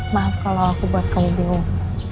maaf kalau aku buat kau bingung